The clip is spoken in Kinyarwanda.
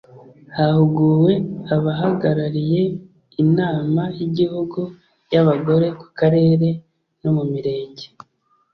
Hahuguwe abahagarariye Inama y’Igihugu y’Abagore ku karere no mu mirenge